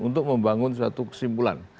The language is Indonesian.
untuk membangun suatu kesimpulan